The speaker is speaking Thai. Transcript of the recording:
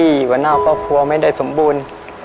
อีกก็ดีกว่าน่าวครอบครัวไม่ได้สมบูรณ์